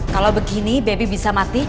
kalau begini baby bisa mati